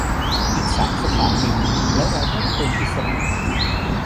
อีกสามสถานีแล้วเราก็จะเป็นอิสระ